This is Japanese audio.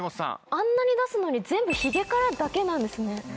あんなに出すのに全部ヒゲからだけなんですね